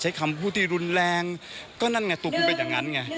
คำพูดที่รุนแรงก็นั่นไงตัวคุณเป็นอย่างนั้นไง